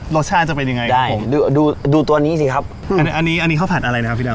จะเป็นยังไงได้ผมดูดูตัวนี้สิครับอันนี้อันนี้ข้าวผัดอะไรนะครับพี่ดำ